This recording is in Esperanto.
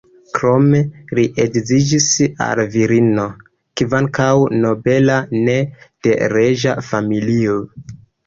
Krome li edziĝis al virino, kvankam nobela, ne de reĝa familio.